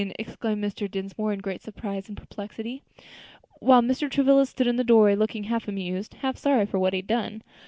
exclaimed Mr. Dinsmore in great surprise and perplexity; while Mr. Travilla stood in the doorway looking half amused, half sorry for what he had done.